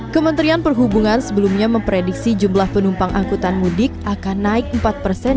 kementerian perhubungan sebelumnya memprediksi jumlah penumpang angkutan mudik akan naik empat persen